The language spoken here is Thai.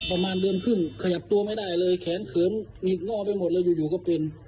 ประมาณเดือนครึ่งขยับตัวไม่ได้เลยแขนเขิมหงิกง่อไปหมดเลยอยู่ก็เป็น